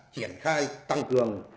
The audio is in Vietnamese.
triển khai tăng cường